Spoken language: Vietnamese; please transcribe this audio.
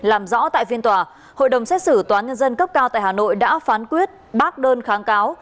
làm rõ tại phiên tòa hội đồng xét xử tòa nhân dân cấp cao tại hà nội đã phán quyết bác đơn kháng cáo